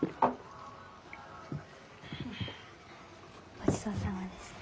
ごちそうさまでした。